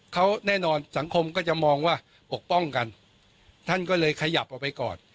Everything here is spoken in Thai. เขาแน่นอนสังคมก็จะมองว่าปกป้องกันท่านก็เลยขยับออกไปก่อน